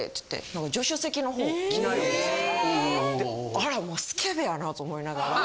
・あらまスケベやなと思いながら。